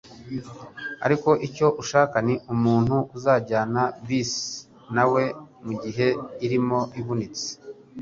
ariko icyo ushaka ni umuntu uzajyana bisi nawe mugihe limo ivunitse.”